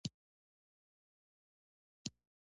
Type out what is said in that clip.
د سمندري ژویو دغه کارپوهه وايي